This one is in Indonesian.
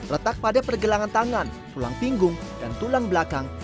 letak pada pergelangan tangan tulang pinggung dan tulang belakang